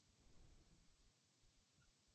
হ্যাঁ, ব্যুক বেশ দেরি করেই উত্তরটা দিয়েছে।